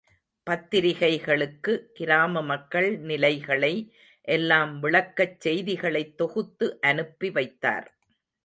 பத்திரிக்கைகளுக்கு கிராம மக்கள் நிலைகளை எல்லாம் விளக்கிச் செய்திகளைத் தொகுத்து அனுப்பி வைத்தார்.